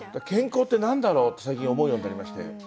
健康って何だろうって最近思うようになりまして。